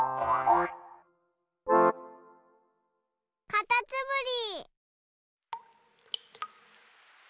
かたつむり。